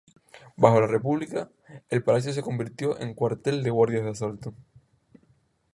Bajo la República, el palacio se convirtió en cuartel de guardias de Asalto.